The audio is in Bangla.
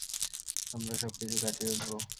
আমরা সবকিছু কাটিয়ে উঠবো।